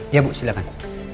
iya bu silahkan